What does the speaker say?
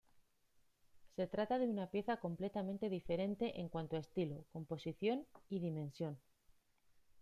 Se trata de una pieza completamente diferente en cuanto a estilo, composición y dimensión.